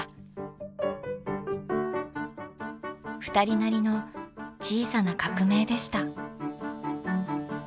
ふたりなりの小さな革命でした。